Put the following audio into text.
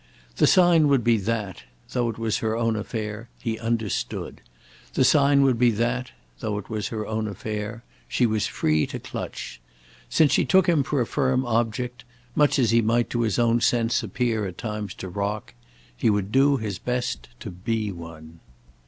The sign would be that—though it was her own affair—he understood; the sign would be that—though it was her own affair—she was free to clutch. Since she took him for a firm object—much as he might to his own sense appear at times to rock—he would do his best to be one.